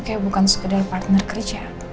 kayak bukan sekedar partner kerja